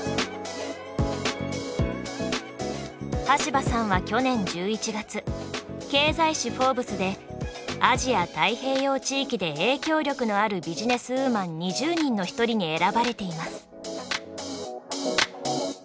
端羽さんは去年１１月経済誌「フォーブス」でアジア太平洋地域で影響力のあるビジネスウーマン２０人の一人に選ばれています。